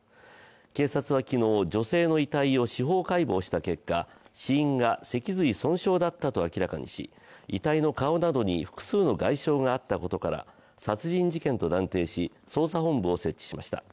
警察は昨日、女性の遺体を司法解剖した結果、死因が脊髄損傷だったと明らかにし、遺体の顔などに複数の外傷があったことから殺人事件と断定し捜査本部を設置しました。